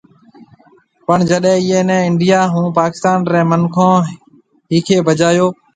پڻ جڏي ايئي ني انڊيا ھان پاڪستون ري منکون ۿيکي بجايو